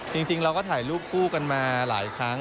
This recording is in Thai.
จริงเราก็ถ่ายรูปคู่กันมาหลายครั้ง